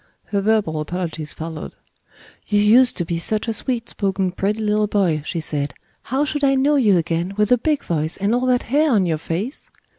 Her verbal apologies followed. "You used to be such a sweet spoken pretty little boy," she said, "how should I know you again, with a big voice and all that hair on your face?"